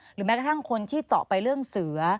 แม้กระทั่งคนที่เจาะไปเรื่องเสือ